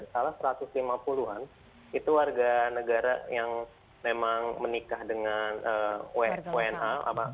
salah satu ratus lima puluh an itu warga negara yang memang menikah dengan wna